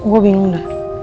gue bingung dah